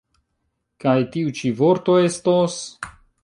Kaj tiu ĉi vorto estos?